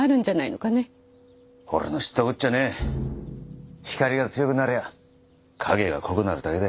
俺の知ったこっちゃねぇ光が強くなりゃ影が濃くなるだけだ